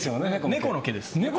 猫の毛です。